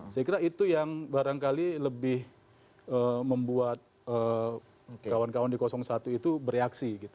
saya kira itu yang barangkali lebih membuat kawan kawan di satu itu bereaksi gitu